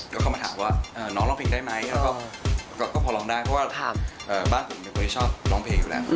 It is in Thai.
ก็เข้ามาถามว่าน้องร้องเพลงได้ไหมแล้วก็พอร้องได้เพราะว่าบ้านผมเคยชอบร้องเพลงอยู่แล้ว